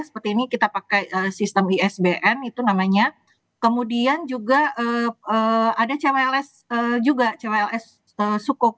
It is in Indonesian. seperti ini kita pakai sistem isbn itu namanya kemudian juga ada cwls juga cwls suko